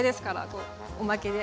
こうおまけで。